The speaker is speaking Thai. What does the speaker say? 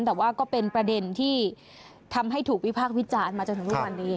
แต่ว่าก็เป็นประเด็นที่ทำให้ถูกวิพากษ์วิจารณ์มาจนถึงทุกวันนี้